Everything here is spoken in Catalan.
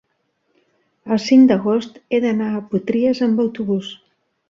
El cinc d'agost he d'anar a Potries amb autobús.